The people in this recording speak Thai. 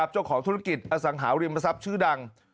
เจ้าของธุรกิจอสังหาริมทรัพย์ชื่อดัง